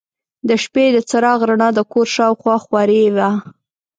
د شپې د څراغ رڼا د کور شاوخوا خورې وه.